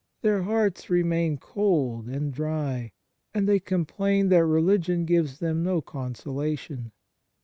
Their hearts re main cold and dry, and they complain that religion gives them no consolation.